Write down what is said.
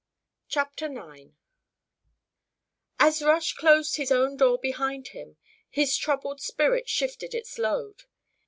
CHAPTER IX As Rush closed his own door behind him, his troubled spirit shifted its load.